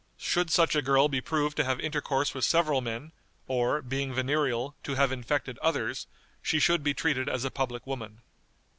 Should such a girl be proved to have intercourse with several men, or, being venereal, to have infected others, she should be treated as a public woman."